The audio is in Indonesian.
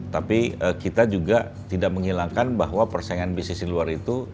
tapi kita juga tidak menghilangkan bahwa persaingan bisnis di luar itu